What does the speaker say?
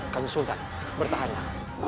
kan sultan bertahanlah